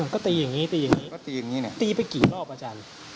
ก็ตีอย่างนี้ตีไปกี่รอบอาจารย์